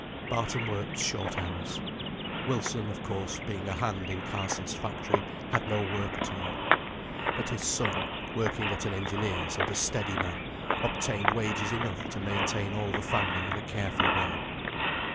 Barton worked short hours; Wilson, of course, being a hand in Carsons' factory, had no work at all. But his son, working at an engineer's, and a steady man, obtained wages enough to maintain all the family in a careful way.